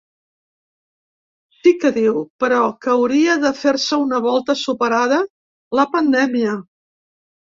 Sí que diu, però, que hauria de fer-se una volta superada la pandèmia.